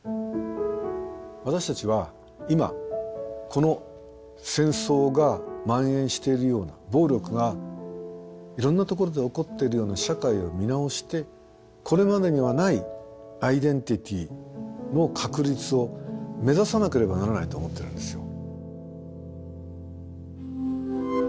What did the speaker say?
私たちは今この戦争がまん延しているような暴力がいろんなところで起こっているような社会を見直してこれまでにはないアイデンティティーの確立を目指さなければならないと思ってるんですよ。